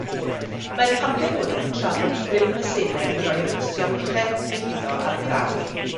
Mae'r papur hwn yn trafod grym y Senedd i roi achosion uchelgyhuddo ar brawf.